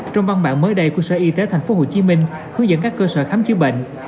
trong văn bản mới đây của sở y tế tp hcm hướng dẫn các cơ sở khám chữa bệnh